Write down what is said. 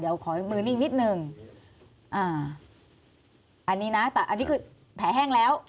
เดี๋ยวขอมือนิ่งนิดหนึ่งอ่าอันนี้นะแต่อันนี้คือแผลแห้งแล้ว